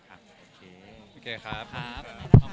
โอเคครับ